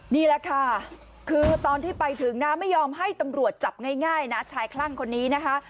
นี่แหละค่ะคือตอนที่ไปถึงนะไม่ยอมให้ตำรวจจับง่ายนะชายคลั่งคนนี้นะคะ